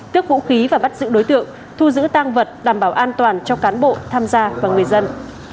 tước vũ khí và bắt giữ đối tượng thu giữ tăng vật đảm bảo an toàn cho cán bộ tham gia và người dân